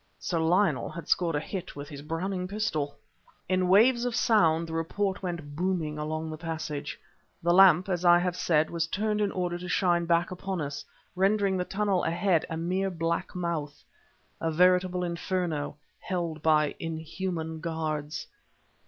Sir Lionel had scored a hit with his Browning pistol. In waves of sound, the report went booming along the passage. The lamp, as I have said, was turned in order to shine back upon us, rendering the tunnel ahead a mere black mouth a veritable inferno, held by inhuman guards.